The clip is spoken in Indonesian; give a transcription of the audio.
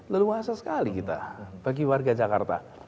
leluasa sekali kita bagi warga jakarta